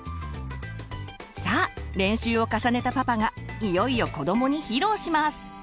さあ練習を重ねたパパがいよいよ子どもに披露します。